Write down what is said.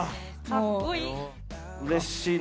うれしい。